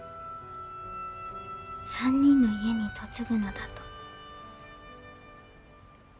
３人の家に嫁ぐのだと。